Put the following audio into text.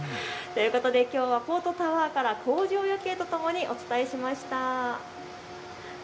きょうはポートタワーから工場夜景とともにお伝えしました。